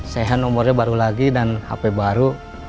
sehat nomornya baru lagi dan hp baru